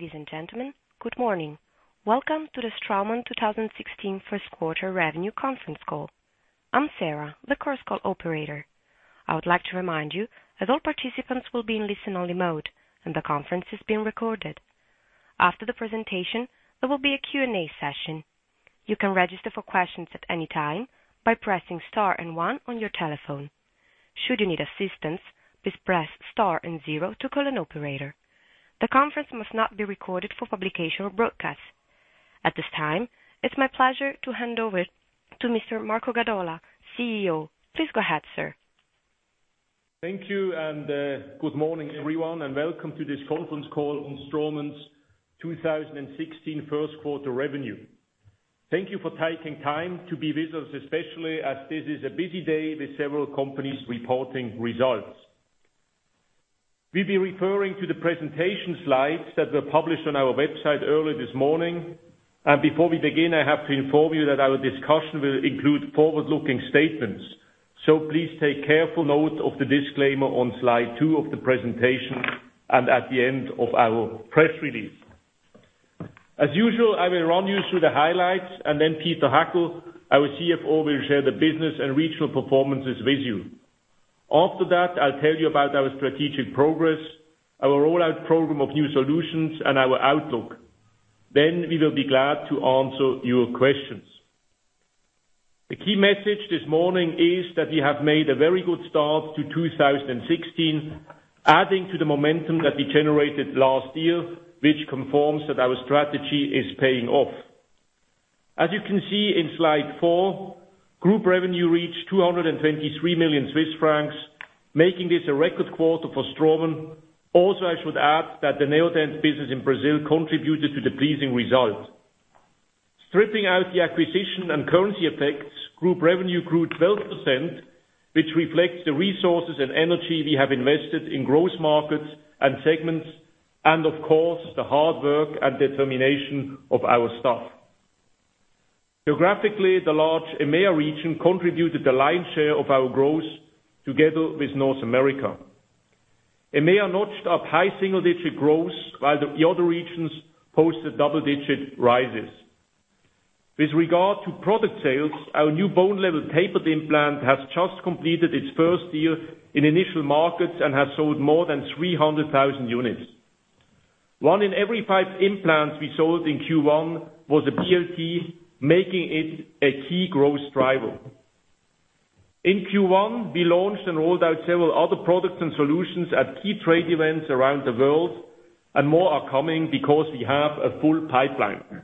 Ladies and gentlemen, good morning. Welcome to the Straumann 2016 first quarter revenue conference call. I'm Sarah, the Chorus Call operator. I would like to remind you that all participants will be in listen-only mode, and the conference is being recorded. After the presentation, there will be a Q&A session. You can register for questions at any time by pressing star and one on your telephone. Should you need assistance, please press star and zero to call an operator. The conference must not be recorded for publication or broadcast. At this time, it's my pleasure to hand over to Mr. Marco Gadola, CEO. Please go ahead, sir. Thank you. Good morning everyone, and welcome to this conference call on Straumann's 2016 first quarter revenue. Thank you for taking time to be with us, especially as this is a busy day with several companies reporting results. We'll be referring to the presentation slides that were published on our website earlier this morning. Before we begin, I have to inform you that our discussion will include forward-looking statements. Please take careful note of the disclaimer on slide two of the presentation, and at the end of our press release. As usual, I will run you through the highlights, and then Peter Hackl, our CFO, will share the business and regional performances with you. After that, I'll tell you about our strategic progress, our rollout program of new solutions, and our outlook. We will be glad to answer your questions. The key message this morning is that we have made a very good start to 2016, adding to the momentum that we generated last year, which confirms that our strategy is paying off. As you can see in slide four, group revenue reached 223 million Swiss francs, making this a record quarter for Straumann. I should add that the Neodent business in Brazil contributed to the pleasing result. Stripping out the acquisition and currency effects, group revenue grew 12%, which reflects the resources and energy we have invested in growth markets and segments, and of course, the hard work and determination of our staff. Geographically, the large EMEA region contributed the lion's share of our growth together with North America. EMEA notched up high single-digit growth while the other regions posted double-digit rises. With regard to product sales, our new Bone Level Tapered implant has just completed its first year in initial markets and has sold more than 300,000 units. One in every five implants we sold in Q1 was a BLT, making it a key growth driver. In Q1, we launched and rolled out several other products and solutions at key trade events around the world, and more are coming because we have a full pipeline.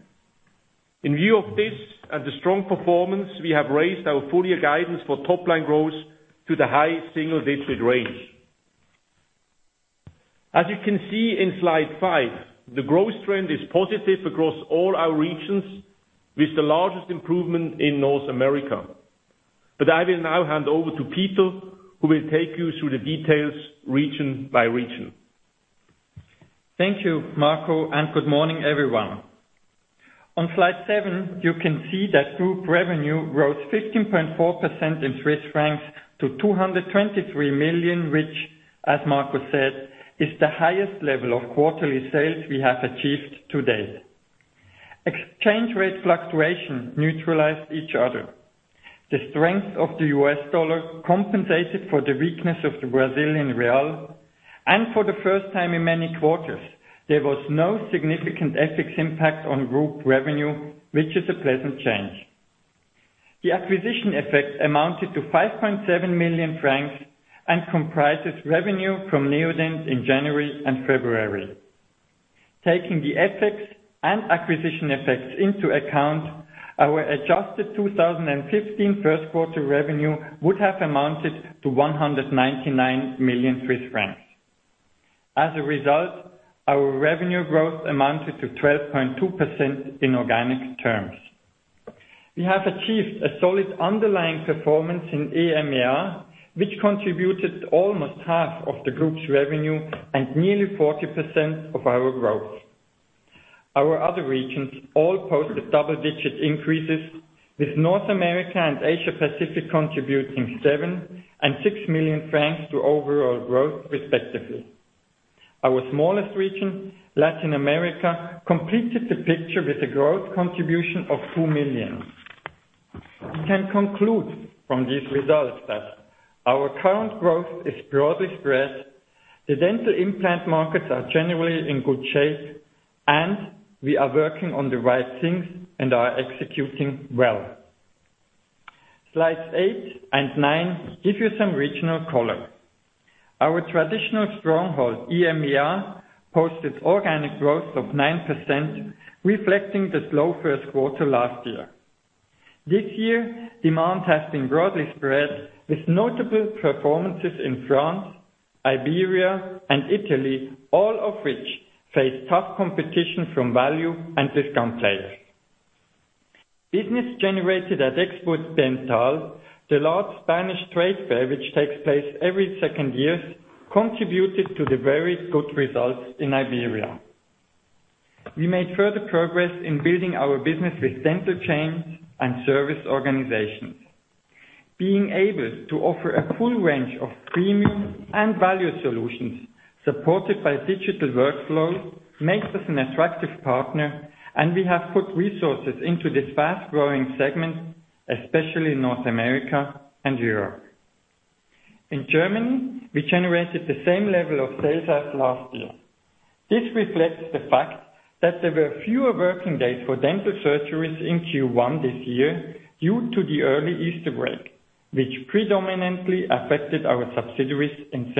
In view of this and the strong performance, we have raised our full-year guidance for top-line growth to the high single-digit range. As you can see in slide five, the growth trend is positive across all our regions, with the largest improvement in North America. I will now hand over to Peter, who will take you through the details region by region. Thank you, Marco, and good morning, everyone. On slide seven, you can see that group revenue rose 15.4% in CHF to 223 million Swiss francs, which, as Marco said, is the highest level of quarterly sales we have achieved to date. Exchange rate fluctuation neutralized each other. The strength of the US dollar compensated for the weakness of the Brazilian real, and for the first time in many quarters, there was no significant FX impact on group revenue, which is a pleasant change. The acquisition effect amounted to 5.7 million francs and comprises revenue from Neodent in January and February. Taking the FX and acquisition effects into account, our adjusted 2015 first quarter revenue would have amounted to 199 million Swiss francs. As a result, our revenue growth amounted to 12.2% in organic terms. We have achieved a solid underlying performance in EMEA, which contributed almost half of the group's revenue and nearly 40% of our growth. Our other regions all posted double-digit increases, with North America and Asia Pacific contributing seven and six million CHF to overall growth respectively. Our smallest region, Latin America, completed the picture with a growth contribution of two million CHF. We can conclude from these results that our current growth is broadly spread, the dental implant markets are generally in good shape, and we are working on the right things and are executing well. Slides eight and nine give you some regional color. Our traditional stronghold, EMEA, posted organic growth of 9%, reflecting the slow first quarter last year. This year, demand has been broadly spread with notable performances in France, Iberia, and Italy, all of which faced tough competition from value and discount players. Business generated at Expodental, the large Spanish trade fair which takes place every second year, contributed to the very good results in Iberia. We made further progress in building our business with dental chains and service organizations. Being able to offer a full range of premium and value solutions supported by digital workflow makes us an attractive partner, and we have put resources into this fast-growing segment, especially in North America and Europe. In Germany, we generated the same level of sales as last year. This reflects the fact that there were fewer working days for dental surgeries in Q1 this year due to the early Easter break, which predominantly affected our subsidiaries in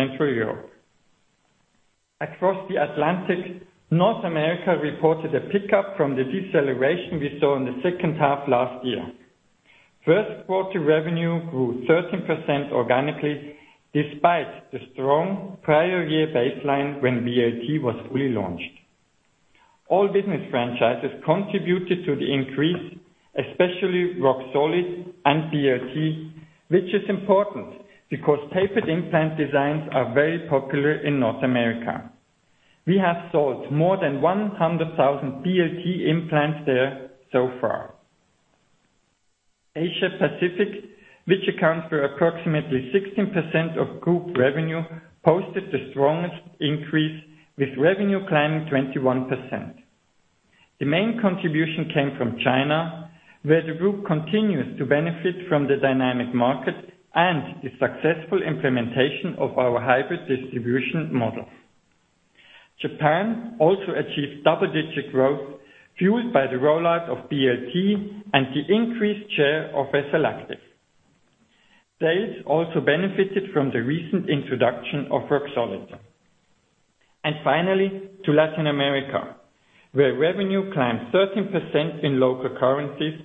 Central Europe. Across the Atlantic, North America reported a pickup from the deceleration we saw in the second half last year. First quarter revenue grew 13% organically, despite the strong prior year baseline when BLT was fully launched. All business franchises contributed to the increase, especially Roxolid and BLT, which is important because tapered implant designs are very popular in North America. We have sold more than 100,000 BLT implants there so far. Asia Pacific, which accounts for approximately 16% of group revenue, posted the strongest increase with revenue climbing 21%. The main contribution came from China, where the group continues to benefit from the dynamic market and the successful implementation of our hybrid distribution model. Japan also achieved double-digit growth fueled by the rollout of BLT and the increased share of Straumann SLActive. Sales also benefited from the recent introduction of Roxolid. Finally, to Latin America, where revenue climbed 13% in local currencies,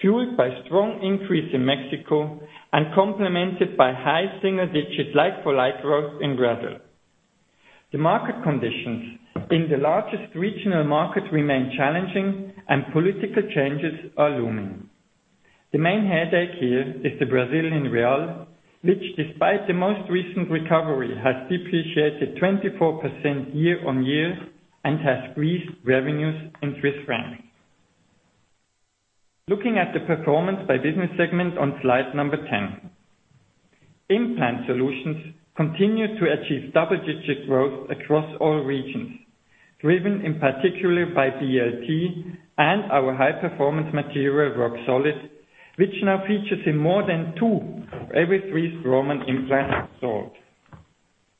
fueled by strong increase in Mexico and complemented by high single-digit like-for-like growth in Brazil. The market conditions in the largest regional market remain challenging and political changes are looming. The main headache here is the Brazilian real, which despite the most recent recovery, has depreciated 24% year-over-year and has squeezed revenues in CHF. Looking at the performance by business segment on slide 10. Implant solutions continued to achieve double-digit growth across all regions, driven in particular by BLT and our high-performance material, Roxolid, which now features in more than two of every three Straumann implants sold.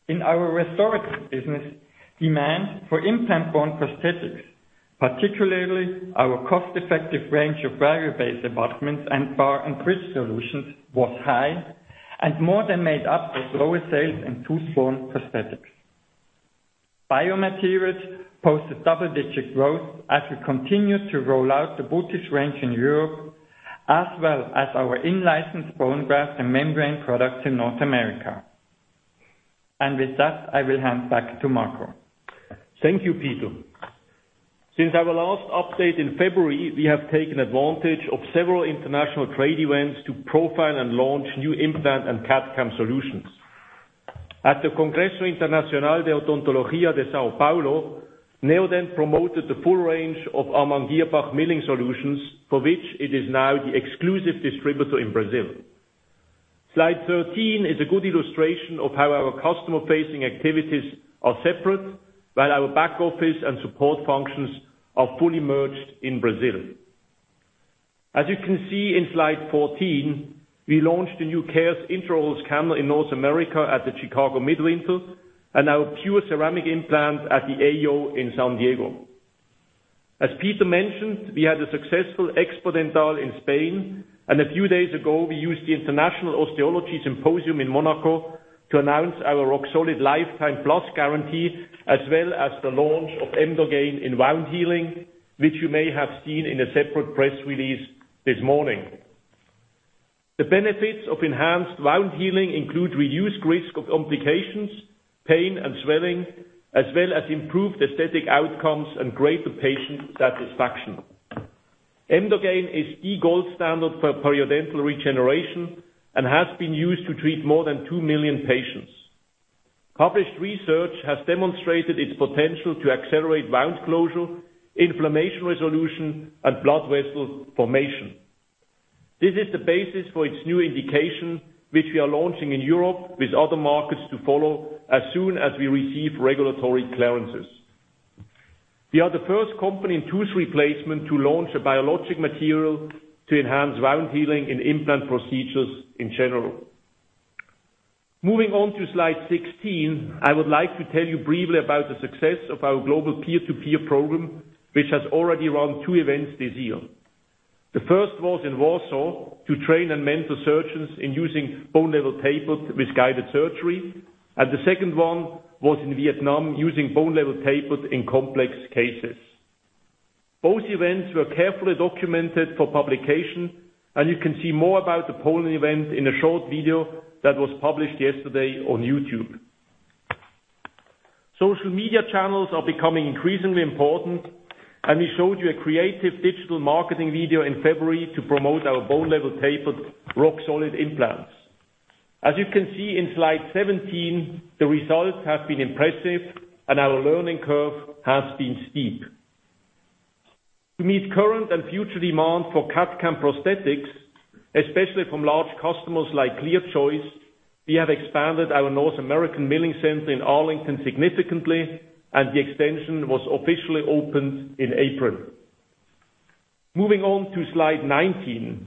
In our restorative business, demand for implant-borne prosthetics, particularly our cost-effective range of value-based abutments and bar and bridge solutions, was high and more than made up for lower sales in tooth-borne prosthetics. biomaterials posted double-digit growth as we continued to roll out the botiss range in Europe, as well as our in-licensed bone graft and membrane products in North America. With that, I will hand back to Marco. Thank you, Peter. Since our last update in February, we have taken advantage of several international trade events to profile and launch new implant and CAD/CAM solutions. At the Congresso Internacional de Odontologia de São Paulo, Neodent promoted the full range of Amann Girrbach milling solutions, for which it is now the exclusive distributor in Brazil. Slide 13 is a good illustration of how our customer-facing activities are separate, while our back office and support functions are fully merged in Brazil. As you can see in slide 14, we launched the new Straumann CARES intraoral scanner in North America at the Chicago Midwinter, and our PURE Ceramic Implant at the AO in San Diego. As Peter mentioned, we had a successful Expodental in Spain. A few days ago, we used the International Osteology Symposium in Monaco to announce our Roxolid Lifetime Plus Guarantee, as well as the launch of Straumann Emdogain in wound healing, which you may have seen in a separate press release this morning. The benefits of enhanced wound healing include reduced risk of complications, pain and swelling, as well as improved aesthetic outcomes and greater patient satisfaction. Straumann Emdogain is the gold standard for periodontal regeneration and has been used to treat more than 2 million patients. Published research has demonstrated its potential to accelerate wound closure, inflammation resolution, and blood vessel formation. This is the basis for its new indication, which we are launching in Europe with other markets to follow as soon as we receive regulatory clearances. We are the first company in tooth replacement to launch a biologic material to enhance wound healing in implant procedures in general. Moving on to slide 16, I would like to tell you briefly about the success of our global peer-to-peer program, which has already run two events this year. The first was in Warsaw to train and mentor surgeons in using Bone Level Tapered with guided surgery, and the second one was in Vietnam using Bone Level Tapered in complex cases. Both events were carefully documented for publication, and you can see more about the Poland event in a short video that was published yesterday on YouTube. Social media channels are becoming increasingly important, and we showed you a creative digital marketing video in February to promote our Bone Level Tapered Roxolid implants. As you can see in slide 17, the results have been impressive, and our learning curve has been steep. To meet current and future demand for CAD/CAM prosthetics, especially from large customers like ClearChoice, we have expanded our North American milling center in Arlington significantly, and the extension was officially opened in April. Moving on to slide 19.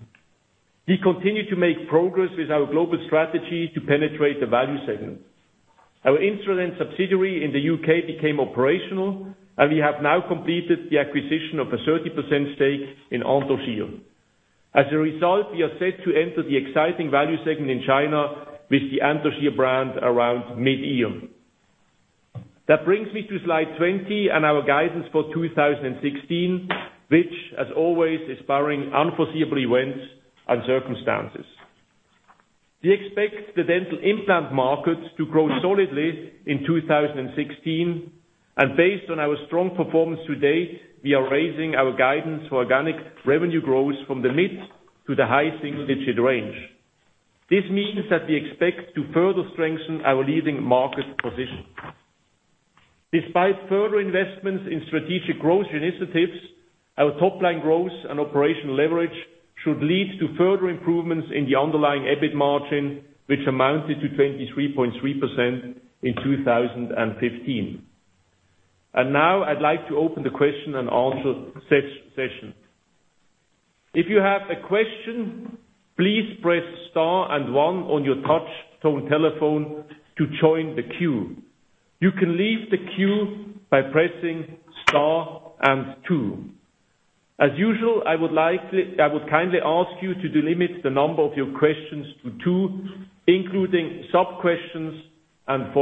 We continue to make progress with our global strategy to penetrate the value segment. Our instrument subsidiary in the U.K. became operational, and we have now completed the acquisition of a 30% stake in Anthogyr. As a result, we are set to enter the exciting value segment in China with the Anthogyr brand around mid-year. That brings me to slide 20 and our guidance for 2016, which, as always, is barring unforeseeable events and circumstances. We expect the dental implant market to grow solidly in 2016, and based on our strong performance to date, we are raising our guidance for organic revenue growth from the mid to the high single-digit range. This means that we expect to further strengthen our leading market position. Despite further investments in strategic growth initiatives, our top-line growth and operational leverage should lead to further improvements in the underlying EBIT margin, which amounted to 23.3% in 2015. Now I'd like to open the question and answer session. If you have a question, please press star and one on your touch-tone telephone to join the queue. You can leave the queue by pressing star and two. As usual, I would kindly ask you to delimit the number of your questions to two, including sub-questions and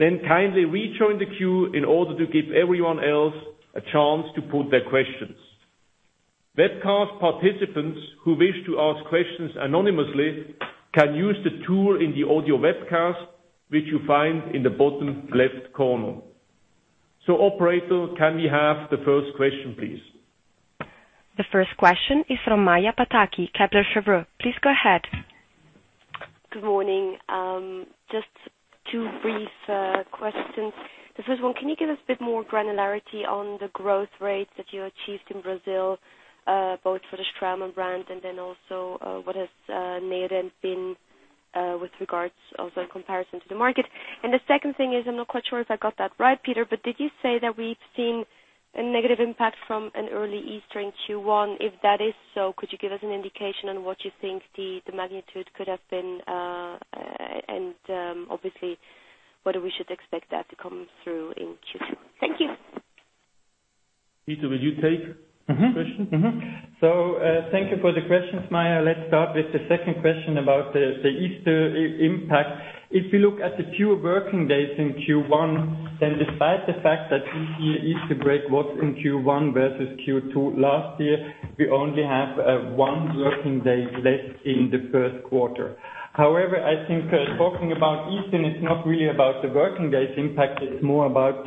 follow-ups. Kindly rejoin the queue in order to give everyone else a chance to put their questions. Webcast participants who wish to ask questions anonymously can use the tool in the audio webcast, which you'll find in the bottom left corner. Operator, can we have the first question, please? The first question is from Maja Pataki, Kepler Cheuvreux. Please go ahead. Good morning. Just two brief questions. The first one, can you give us a bit more granularity on the growth rates that you achieved in Brazil, both for the Straumann brand and also what has Neodent been with regards, also in comparison to the market? The second thing is, I'm not quite sure if I got that right, Peter, but did you say that we've seen a negative impact from an early Easter in Q1? If that is so, could you give us an indication on what you think the magnitude could have been? Obviously, whether we should expect that to come through in Q2. Thank you. Peter, will you take the question? Thank you for the questions, Maja. Let's start with the second question about the Easter impact. If you look at the fewer working days in Q1, then despite the fact that this year Easter break was in Q1 versus Q2 last year, we only have one working day less in the first quarter. However, I think talking about Easter, it's not really about the working days impact, it's more about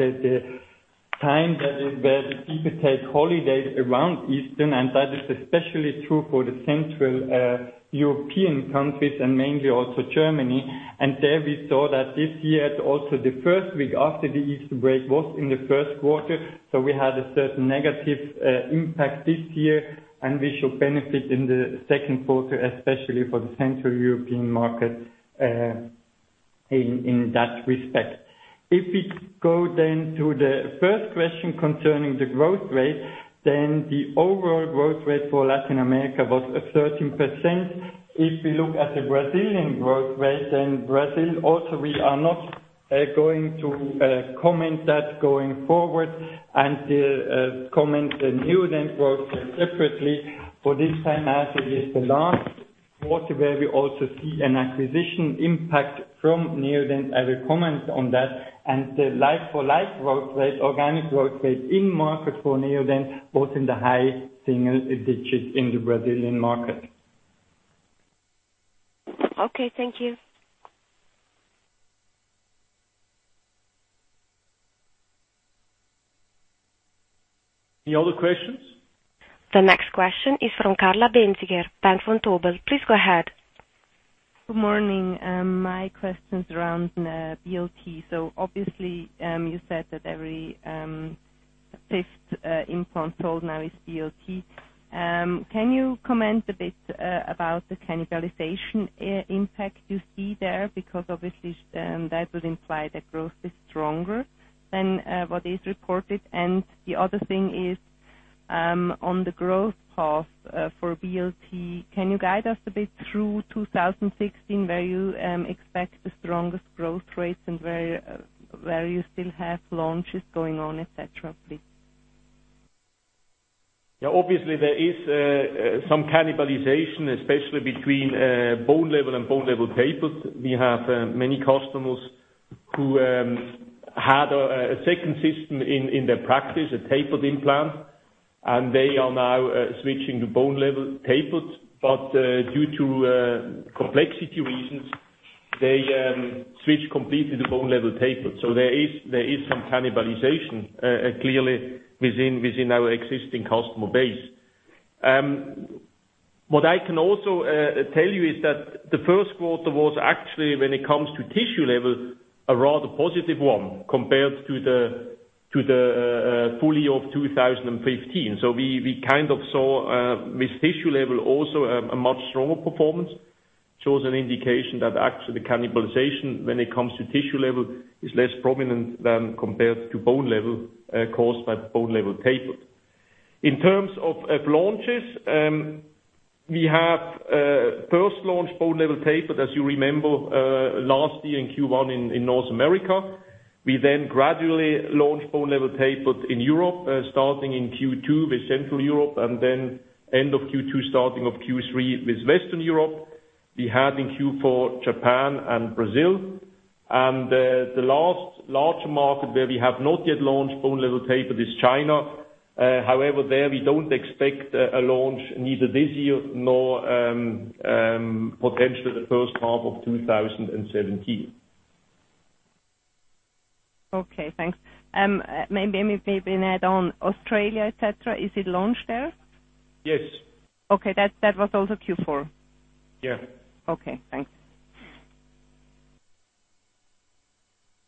the time that people take holidays around Easter, and that is especially true for the Central European countries and mainly also Germany. There we saw that this year, also the first week after the Easter break was in the first quarter, so we had a certain negative impact this year, and we should benefit in the second quarter, especially for the Central European market in that respect. If we go then to the first question concerning the growth rate, the overall growth rate for Latin America was 13%. If we look at the Brazilian growth rate, Brazil also, we are not going to comment that going forward, and comment the Neodent growth rate separately. For this time as it is the last quarter where we also see an acquisition impact from Neodent, I will comment on that, and the like-for-like growth rate, organic growth rate in market for Neodent was in the high single digits in the Brazilian market. Okay. Thank you. Any other questions? The next question is from Carla Bänziger, Bank Vontobel. Please go ahead. Good morning. My question is around BLT. Obviously, you said that every fifth implant sold now is BLT. Can you comment a bit about the cannibalization impact you see there? Obviously, that would imply that growth is stronger than what is reported. The other thing is, on the growth path for BLT, can you guide us a bit through 2016, where you expect the strongest growth rates and where you still have launches going on, et cetera, please? Obviously there is some cannibalization, especially between Bone Level and Bone Level Tapered. We have many customers who had a second system in their practice, a tapered implant, and they are now switching to Bone Level Tapered. They switch completely to Bone Level Tapered. There is some cannibalization, clearly, within our existing customer base. What I can also tell you is that the first quarter was actually, when it comes to Tissue Level, a rather positive one compared to the full year of 2015. We kind of saw, with Tissue Level also, a much stronger performance. Shows an indication that actually cannibalization, when it comes to Tissue Level, is less prominent than compared to Bone Level, caused by Bone Level Tapered. In terms of launches, we have first launched Bone Level Tapered, as you remember, last year in Q1 in North America. We gradually launched Bone Level Tapered in Europe, starting in Q2 with Central Europe, and end of Q2, starting of Q3 with Western Europe. We had in Q4, Japan and Brazil. The last large market where we have not yet launched Bone Level Tapered is China. However, there we don't expect a launch neither this year nor potentially the first half of 2017. Okay, thanks. Maybe an add-on. Australia, et cetera, is it launched there? Yes. Okay. That was also Q4? Yeah. Okay, thanks.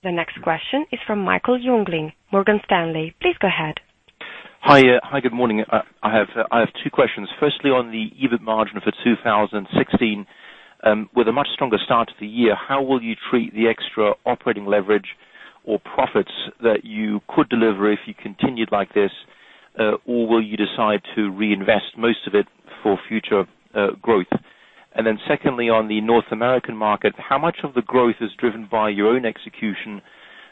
The next question is from Michael Jüngling, Morgan Stanley. Please go ahead. Hi, good morning. I have two questions. Firstly, on the EBIT margin for 2016. With a much stronger start to the year, how will you treat the extra operating leverage or profits that you could deliver if you continued like this? Will you decide to reinvest most of it for future growth? Secondly, on the North American market, how much of the growth is driven by your own execution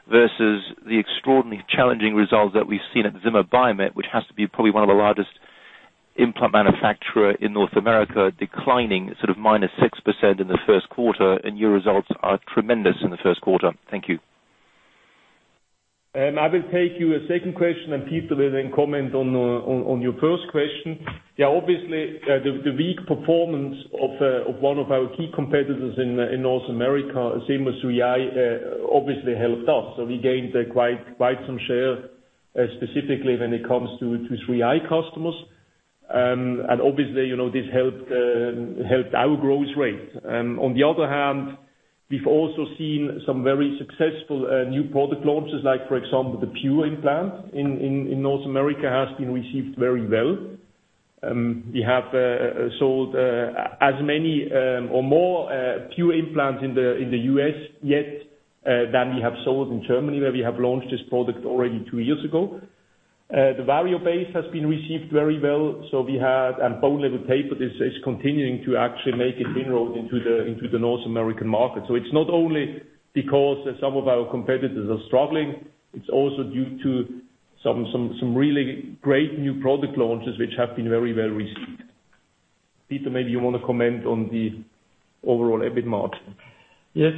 versus the extraordinary challenging results that we've seen at Zimmer Biomet, which has to be probably one of the largest implant manufacturer in North America, declining -6% in the first quarter, and your results are tremendous in the first quarter. Thank you. I will take your second question. Peter will then comment on your first question. Obviously, the weak performance of one of our key competitors in North America, Zimmer 3i, obviously helped us. We gained quite some share, specifically when it comes to 3i customers. Obviously, this helped our growth rate. On the other hand, we've also seen some very successful new product launches like for example, the PURE implant in North America has been received very well. We have sold as many or more PURE implants in the U.S. yet, than we have sold in Germany, where we have launched this product already two years ago. The Variobase has been received very well, and Bone Level Tapered is continuing to actually make an inroad into the North American market. It's not only because some of our competitors are struggling, it's also due to some really great new product launches, which have been very well received. Peter, maybe you want to comment on the overall EBIT margin. Yes.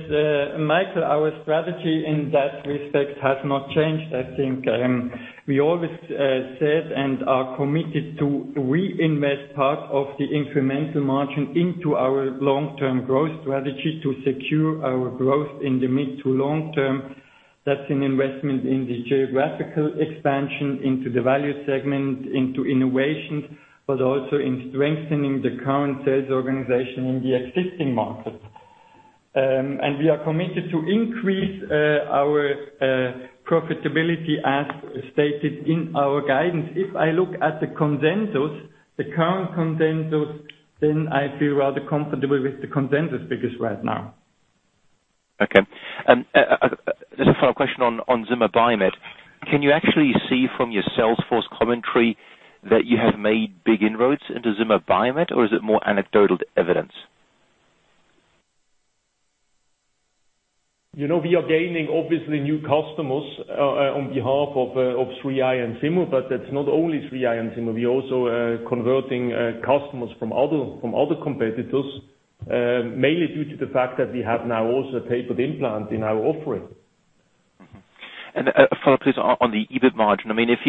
Michael, our strategy in that respect has not changed. I think I always said, and are committed to reinvest part of the incremental margin into our long-term growth strategy to secure our growth in the mid to long-term. That's an investment in the geographical expansion into the value segment, into innovations, but also in strengthening the current sales organization in the existing market. We are committed to increase our profitability as stated in our guidance. If I look at the consensus, the current consensus, I feel rather comfortable with the consensus figures right now. Okay. Just a follow-up question on Zimmer Biomet. Can you actually see from your sales force commentary that you have made big inroads into Zimmer Biomet, or is it more anecdotal evidence? We are gaining, obviously, new customers on behalf of 3i and Zimmer. That is not only 3i and Zimmer. We are also converting customers from other competitors, mainly due to the fact that we have now also a tapered implant in our offering. A follow-up, please, on the EBIT margin. If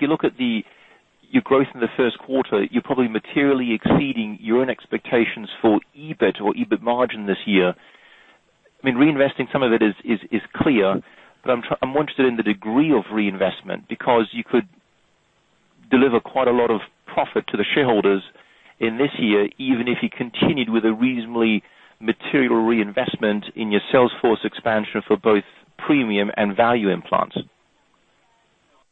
you look at your growth in the first quarter, you are probably materially exceeding your own expectations for EBIT or EBIT margin this year. Reinvesting some of it is clear. I am interested in the degree of reinvestment, because you could deliver quite a lot of profit to the shareholders in this year, even if you continued with a reasonably material reinvestment in your sales force expansion for both premium and value implants.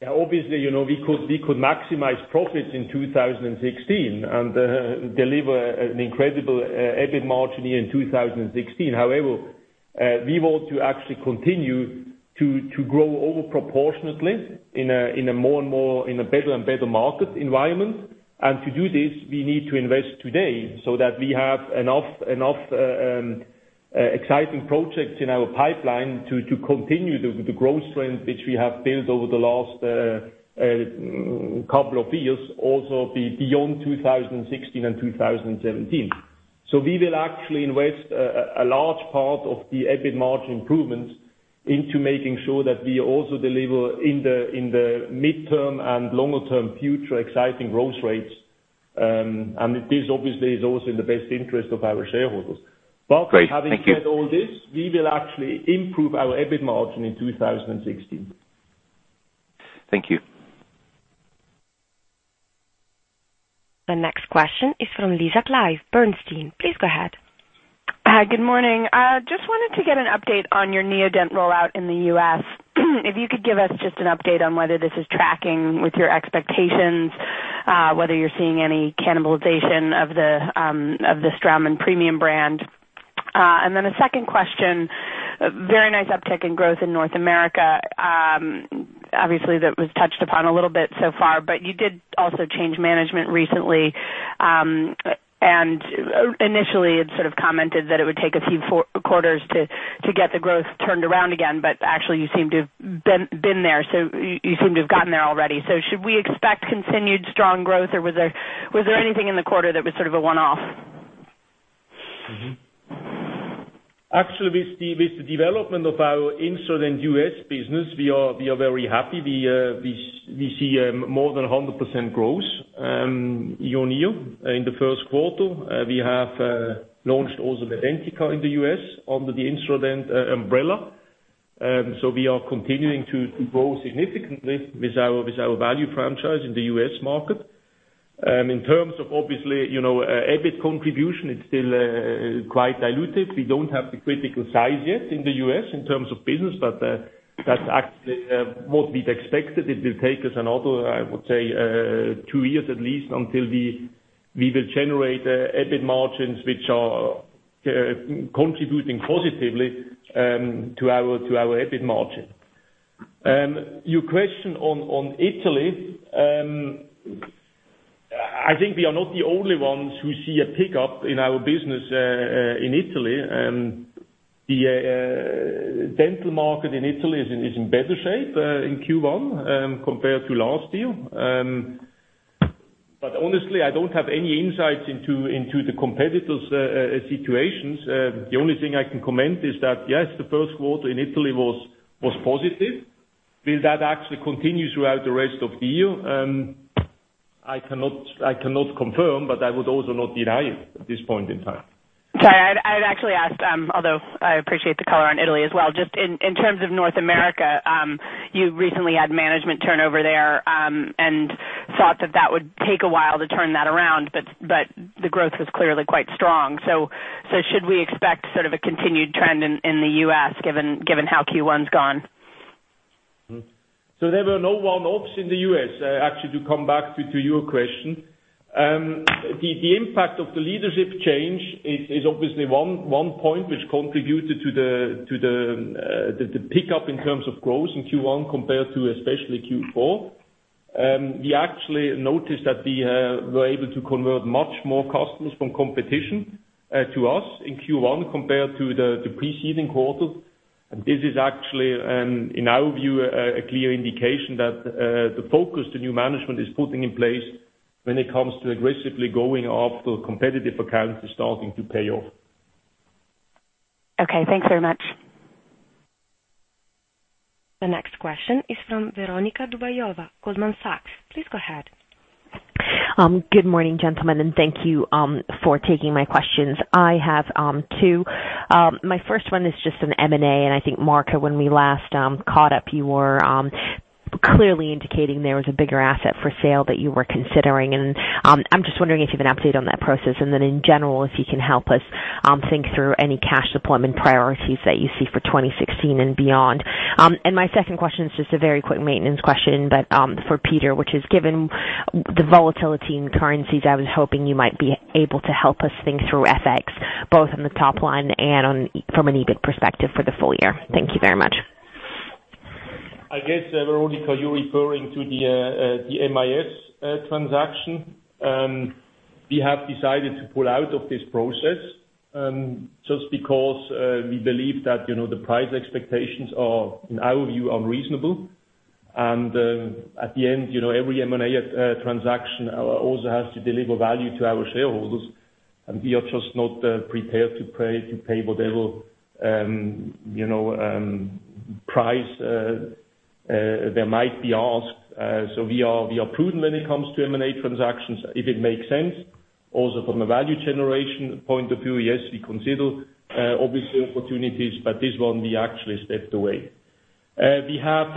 Obviously, we could maximize profits in 2016 and deliver an incredible EBIT margin here in 2016. However, we want to actually continue to grow over proportionately in a better and better market environment. To do this, we need to invest today so that we have enough exciting projects in our pipeline to continue the growth trend which we have built over the last couple of years, also beyond 2016 and 2017. We will actually invest a large part of the EBIT margin improvements into making sure that we also deliver in the midterm and longer term future exciting growth rates. It is obviously also in the best interest of our shareholders. Great. Thank you. Having said all this, we will actually improve our EBIT margin in 2016. Thank you. The next question is from Lisa Clive, Bernstein. Please go ahead. Hi, good morning. Just wanted to get an update on your Neodent rollout in the U.S. If you could give us just an update on whether this is tracking with your expectations, whether you're seeing any cannibalization of the Straumann premium brand. A second question, very nice uptick in growth in North America. Obviously, that was touched upon a little bit so far, but you did also change management recently, and initially, it sort of commented that it would take a few quarters to get the growth turned around again, but actually you seem to have been there. You seem to have gotten there already. Should we expect continued strong growth, or was there anything in the quarter that was sort of a one-off? Actually, with the development of our Instradent U.S. business, we are very happy. We see more than 100% growth year-on-year. In the first quarter, we have launched also the Identica in the U.S. under the Instradent umbrella. We are continuing to grow significantly with our value franchise in the U.S. market. In terms of, obviously, EBIT contribution, it's still quite diluted. We don't have the critical size yet in the U.S. in terms of business, but that's actually what we'd expected. It will take us another, I would say, two years at least until we will generate EBIT margins which are contributing positively to our EBIT margin. Your question on Italy, I think we are not the only ones who see a pickup in our business in Italy. The dental market in Italy is in better shape in Q1 compared to last year. Honestly, I don't have any insights into the competitors' situations. The only thing I can comment is that, yes, the first quarter in Italy was positive. Will that actually continue throughout the rest of the year? I cannot confirm, but I would also not deny it at this point in time. Sorry, I'd actually asked, although I appreciate the color on Italy as well. Just in terms of North America, you recently had management turnover there, thought that that would take a while to turn that around, the growth was clearly quite strong. Should we expect sort of a continued trend in the U.S., given how Q1's gone? There were no one-offs in the U.S., actually, to come back to your question. The impact of the leadership change is obviously one point which contributed to the pickup in terms of growth in Q1 compared to especially Q4. We actually noticed that we were able to convert much more customers from competition to us in Q1 compared to the preceding quarters. This is actually, in our view, a clear indication that the focus the new management is putting in place when it comes to aggressively going after competitive accounts is starting to pay off. Okay, thanks very much. The next question is from Veronika Dubajova, Goldman Sachs. Please go ahead. Good morning, gentlemen, thank you for taking my questions. I have two. My first one is just an M&A, I think, Marco, when we last caught up, you were clearly indicating there was a bigger asset for sale that you were considering. I'm just wondering if you have an update on that process. Then in general, if you can help us think through any cash deployment priorities that you see for 2016 and beyond. My second question is just a very quick maintenance question for Peter, which is given the volatility in currencies, I was hoping you might be able to help us think through FX, both on the top line and from an EBIT perspective for the full year. Thank you very much. I guess, Veronika, you're referring to the MIS transaction. We have decided to pull out of this process just because we believe that the price expectations are, in our view, unreasonable. At the end, every M&A transaction also has to deliver value to our shareholders, we are just not prepared to pay whatever price there might be asked. We are prudent when it comes to M&A transactions. If it makes sense, also from a value generation point of view, yes, we consider obviously opportunities, but this one we actually stepped away. We have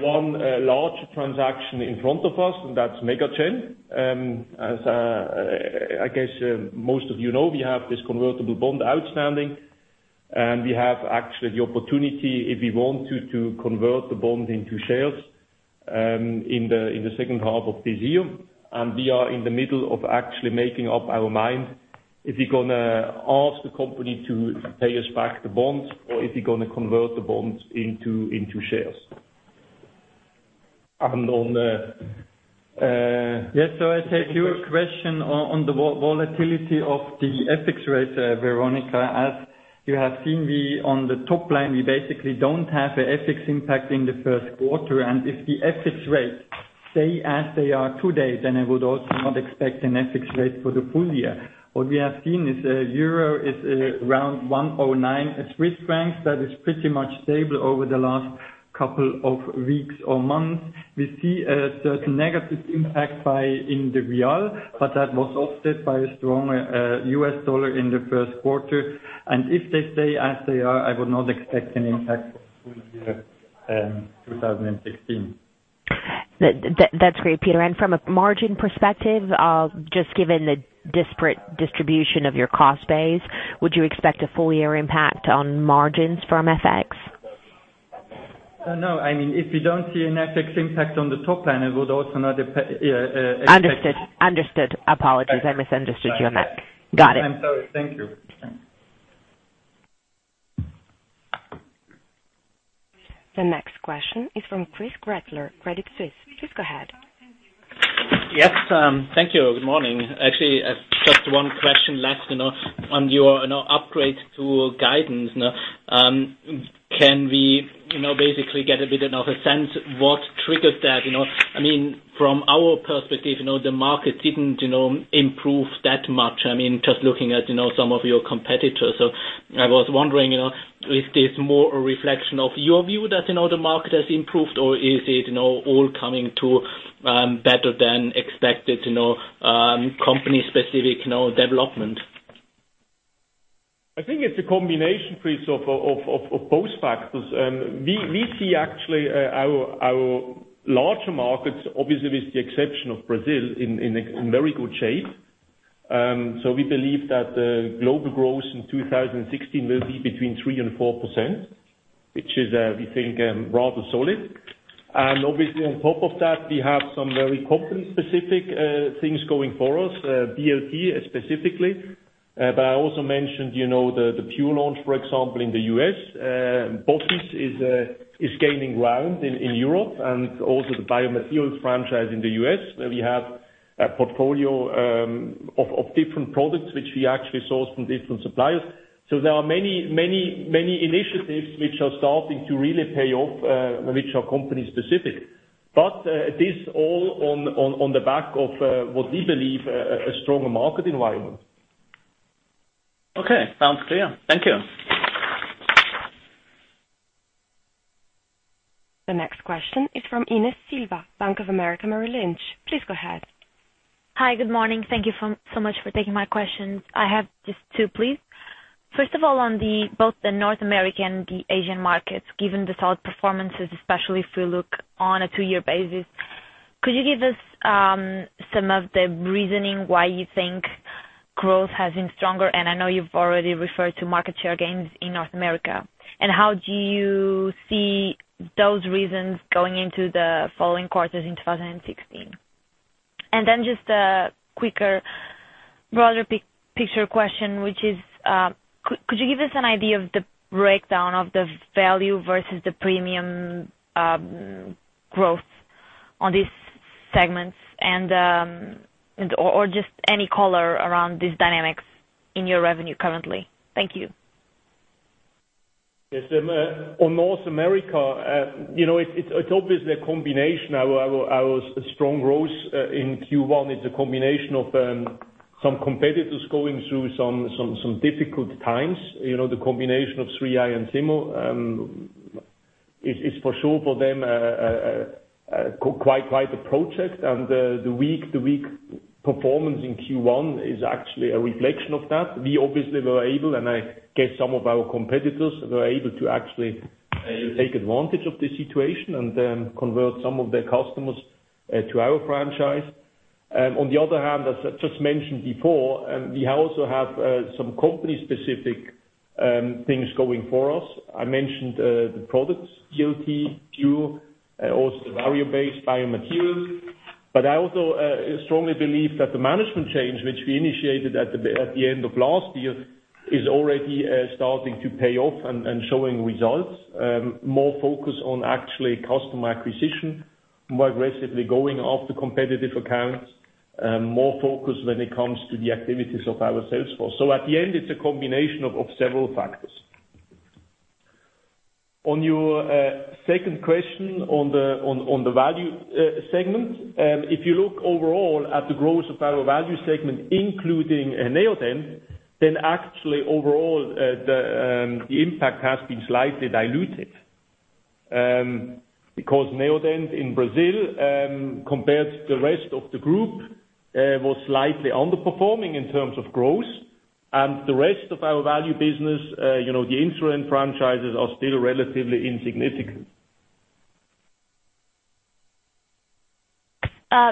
one large transaction in front of us, that's MegaGen. I guess most of you know, we have this convertible bond outstanding, we have actually the opportunity if we want to convert the bond into shares in the second half of this year. We are in the middle of actually making up our mind if we're going to ask the company to pay us back the bonds, or if we're going to convert the bonds into shares. I take your question on the volatility of the FX rate, Veronika. As you have seen, on the top line, we basically don't have a FX impact in the first quarter. If the FX rate. If they stay as they are today, I would also not expect an FX rate for the full year. What we have seen is EUR is around 109 Swiss francs. That is pretty much stable over the last couple of weeks or months. We see a certain negative impact in the BRL, but that was offset by a strong USD in the first quarter. If they stay as they are, I would not expect any impact full year in 2016. That's great, Peter. From a margin perspective, just given the disparate distribution of your cost base, would you expect a full year impact on margins from FX? No. If we don't see an FX impact on the top line, I would also not expect- Understood. Apologies. I misunderstood you on that. Got it. I'm sorry. Thank you. The next question is from Christoph Gretler, Credit Suisse. Please go ahead. Yes. Thank you. Good morning. Actually, I have just one question left on your upgrade to guidance. Can we basically get a bit of a sense what triggered that? From our perspective, the market didn't improve that much, just looking at some of your competitors. I was wondering, is this more a reflection of your view that the market has improved, or is it all coming to better than expected company specific development? I think it's a combination, Chris, of both factors. We see actually our larger markets, obviously with the exception of Brazil, in very good shape. We believe that the global growth in 2016 will be between 3% and 4%, which is, we think, rather solid. Obviously, on top of that, we have some very company specific things going for us, BLT specifically. I also mentioned the PURE launch, for example, in the U.S. Botiss is gaining ground in Europe and also the biomaterials franchise in the U.S., where we have a portfolio of different products which we actually source from different suppliers. There are many initiatives which are starting to really pay off, which are company specific. This all on the back of what we believe a stronger market environment. Okay. Sounds clear. Thank you. The next question is from Ines Silva, Bank of America, Merrill Lynch. Please go ahead. Hi. Good morning. Thank you so much for taking my questions. I have just two, please. First of all, on both the North American and the Asian markets, given the solid performances, especially if we look on a two-year basis, could you give us some of the reasoning why you think growth has been stronger? I know you've already referred to market share gains in North America. How do you see those reasons going into the following quarters in 2016? Just a quicker broader picture question, which is, could you give us an idea of the breakdown of the value versus the premium growth on these segments? Just any color around these dynamics in your revenue currently. Thank you. Yes. On North America, it's obviously a combination. Our strong growth in Q1, it's a combination of some competitors going through some difficult times. The combination of 3i and Zimmer, it's for sure for them quite the project and the weak performance in Q1 is actually a reflection of that. We obviously were able, I guess some of our competitors were able to actually take advantage of the situation and then convert some of their customers to our franchise. On the other hand, as I just mentioned before, we also have some company specific things going for us. I mentioned the products, BLT, PURE, and also the value-based biomaterials. I also strongly believe that the management change which we initiated at the end of last year is already starting to pay off and showing results. More focus on actually customer acquisition, more aggressively going after competitive accounts, more focus when it comes to the activities of our sales force. At the end, it's a combination of several factors. On your second question on the value segment, if you look overall at the growth of our value segment, including Neodent, then actually overall, the impact has been slightly diluted. Neodent in Brazil compared to the rest of the group, was slightly underperforming in terms of growth. The rest of our value business the Instradent franchises are still relatively insignificant.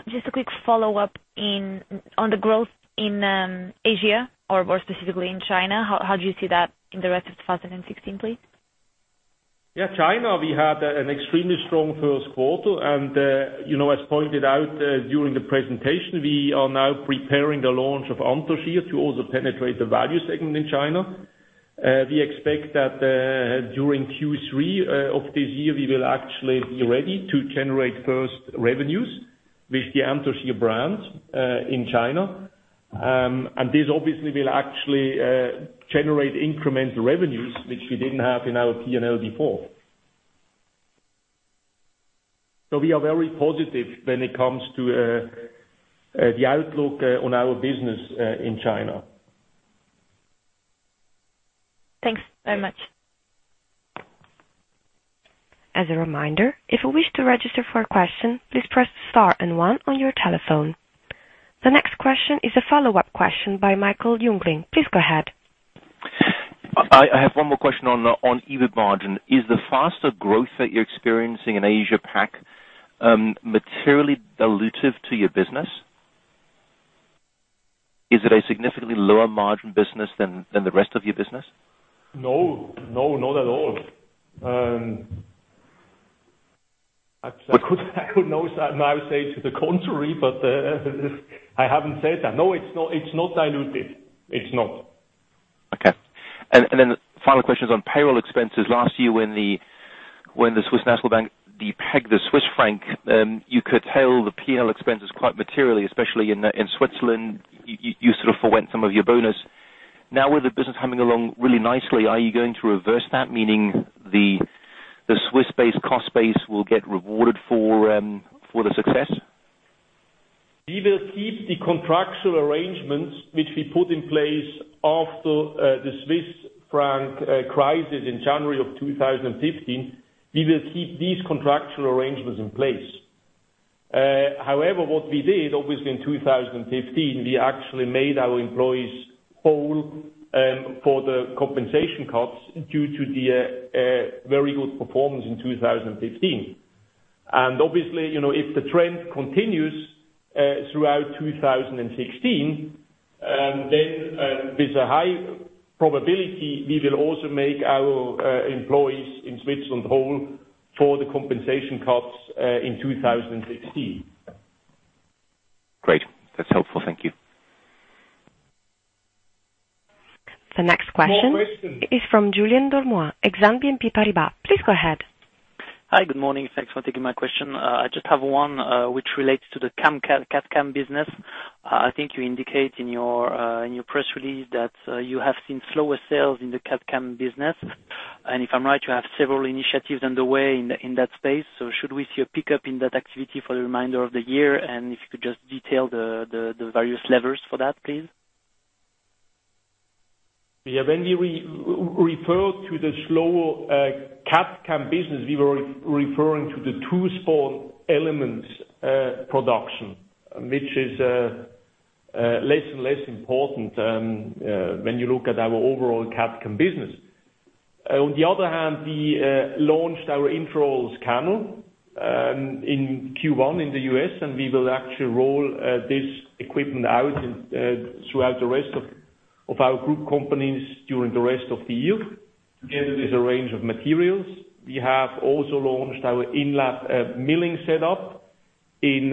Just a quick follow-up on the growth in Asia or more specifically in China. How do you see that in the rest of 2016, please? Yeah. China, we had an extremely strong first quarter. As pointed out during the presentation, we are now preparing the launch of Anthogyr to also penetrate the value segment in China. We expect that during Q3 of this year, we will actually be ready to generate first revenues with the Anthogyr brand in China. This obviously will actually generate incremental revenues, which we didn't have in our P&L before. We are very positive when it comes to the outlook on our business in China. Thanks very much. As a reminder, if you wish to register for a question, please press Star and One on your telephone. The next question is a follow-up question by Michael Jüngling. Please go ahead. I have one more question on EBIT margin. Is the faster growth that you're experiencing in Asia Pac materially dilutive to your business? Is it a significantly lower margin business than the rest of your business? No, not at all. I could now say to the contrary, but I haven't said that. No, it's not diluted. It's not. Okay. Then final question is on payroll expenses. Last year when the Swiss National Bank de-pegged the Swiss franc, you curtailed the P&L expenses quite materially, especially in Switzerland. You sort of forwent some of your bonus. Now with the business humming along really nicely, are you going to reverse that, meaning the Swiss-based cost base will get rewarded for the success? We will keep the contractual arrangements which we put in place after the Swiss franc crisis in January of 2015. We will keep these contractual arrangements in place. However, what we did, obviously in 2015, we actually made our employees whole for the compensation cuts due to the very good performance in 2015. Obviously, if the trend continues throughout 2016, there's a high probability we will also make our employees in Switzerland whole for the compensation cuts in 2016. Great. That's helpful. Thank you. The next question- More questions is from Julien Dormois, Exane BNP Paribas. Please go ahead. Hi. Good morning. Thanks for taking my question. I just have one, which relates to the CAD/CAM business. I think you indicate in your press release that you have seen slower sales in the CAD/CAM business. If I'm right, you have several initiatives underway in that space. Should we see a pickup in that activity for the remainder of the year? If you could just detail the various levers for that, please. Yeah. When we refer to the slower CAD/CAM business, we were referring to the tooth-borne elements production, which is less and less important when you look at our overall CAD/CAM business. On the other hand, we launched our intraoral scanner in Q1 in the U.S., and we will actually roll this equipment out throughout the rest of our group companies during the rest of the year. Again, with a range of materials. We have also launched our in-lab milling setup in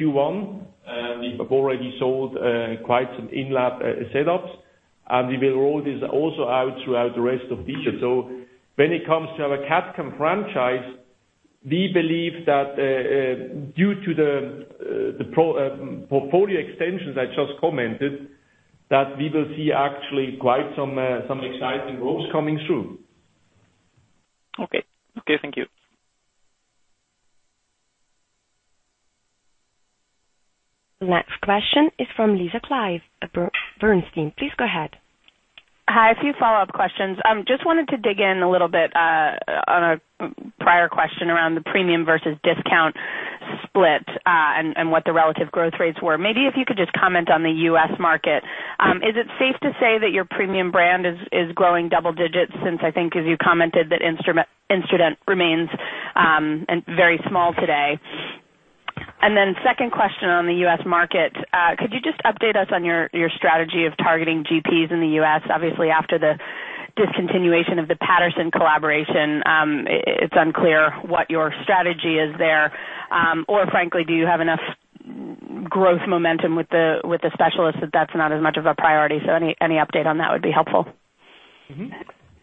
Q1, and we have already sold quite some in-lab setups, and we will roll this also out throughout the rest of this year. When it comes to our CAD/CAM franchise, we believe that due to the portfolio extensions I just commented, that we will see actually quite some exciting growth coming through. Okay. Thank you. The next question is from Lisa Clive at Bernstein. Please go ahead. Hi. A few follow-up questions. Just wanted to dig in a little bit on a prior question around the premium versus discount split, and what the relative growth rates were. Maybe if you could just comment on the U.S. market. Is it safe to say that your premium brand is growing double digits since I think as you commented that Instradent remains very small today? And then second question on the U.S. market. Could you just update us on your strategy of targeting GPs in the U.S.? Obviously, after the discontinuation of the Patterson collaboration, it's unclear what your strategy is there. Or frankly, do you have enough growth momentum with the specialists that that's not as much of a priority? Any update on that would be helpful.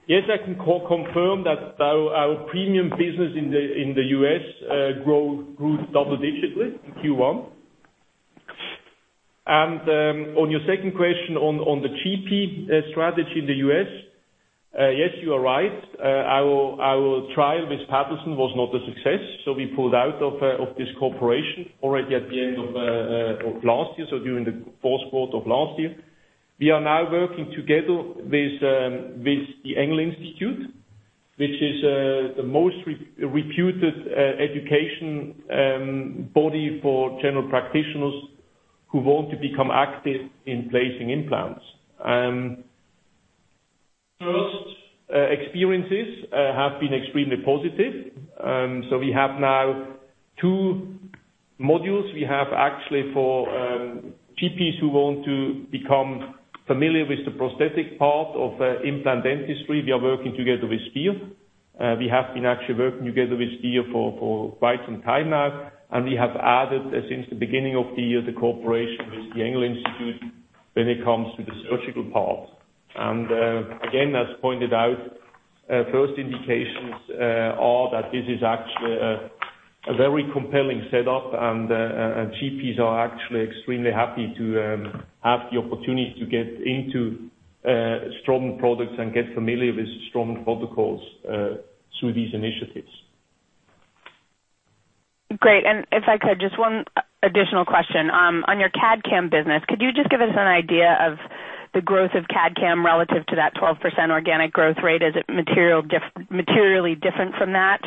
Yes, I can confirm that our premium business in the U.S. grew double-digitally in Q1. On your second question on the GP strategy in the U.S., yes, you are right. Our trial with Patterson was not a success, so we pulled out of this cooperation already at the end of last year, so during the fourth quarter of last year. We are now working together with the Engel Institute, which is the most reputed education body for general practitioners who want to become active in placing implants. First experiences have been extremely positive. We have now two modules. We have actually for GPs who want to become familiar with the prosthetic part of implant dentistry, we are working together with Spear. We have been actually working together with Spear for quite some time now, and we have added since the beginning of the year, the cooperation with the Engel Institute when it comes to the surgical part. Again, as pointed out, first indications are that this is actually a very compelling setup, and GPs are actually extremely happy to have the opportunity to get into Straumann products and get familiar with Straumann protocols through these initiatives. Great. If I could, just one additional question. On your CAD/CAM business, could you just give us an idea of the growth of CAD/CAM relative to that 12% organic growth rate? Is it materially different from that?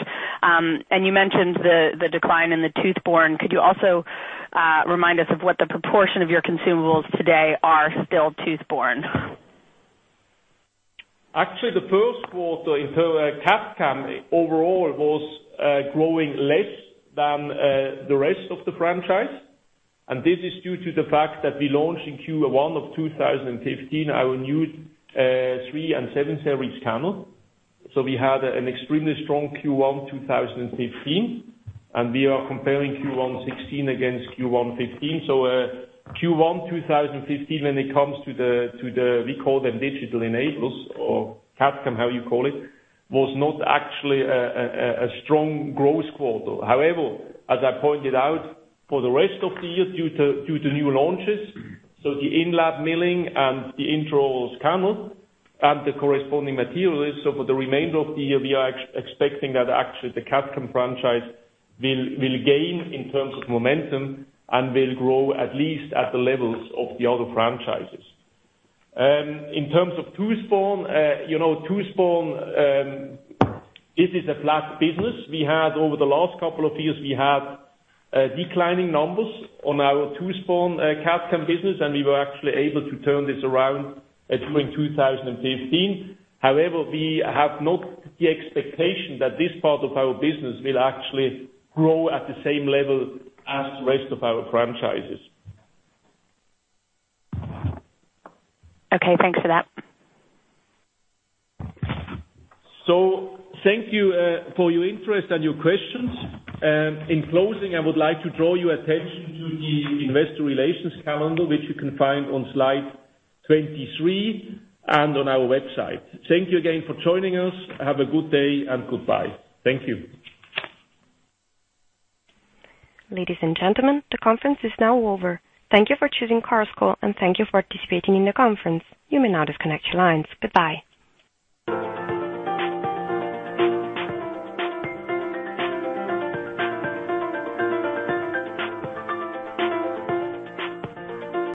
You mentioned the decline in the tooth-borne. Could you also remind us of what the proportion of your consumables today are still tooth-borne? Actually, the first quarter in terms of CAD/CAM overall was growing less than the rest of the franchise. This is due to the fact that we launched in Q1 of 2015 our new 3Series and 7Series scanners. We had an extremely strong Q1 2015, and we are comparing Q1 2016 against Q1 2015. Q1 2015, when it comes to the, we call them digital enablers or CAD/CAM, how you call it, was not actually a strong growth quarter. However, as I pointed out, for the rest of the year due to new launches, so the in-lab milling and the intraoral scanner and the corresponding material is. For the remainder of the year, we are expecting that actually the CAD/CAM franchise will gain in terms of momentum and will grow at least at the levels of the other franchises. In terms of tooth-borne, this is a flat business. Over the last couple of years, we had declining numbers on our tooth-borne CAD/CAM business. We were actually able to turn this around during 2015. However, we have not the expectation that this part of our business will actually grow at the same level as the rest of our franchises. Okay, thanks for that. Thank you for your interest and your questions. In closing, I would like to draw your attention to the investor relations calendar, which you can find on slide 23 and on our website. Thank you again for joining us. Have a good day. Goodbye. Thank you. Ladies and gentlemen, the conference is now over. Thank you for choosing Chorus Call. Thank you for participating in the conference. You may now disconnect your lines. Goodbye.